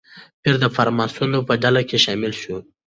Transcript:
پییر د فراماسون په ډله کې شامل شو.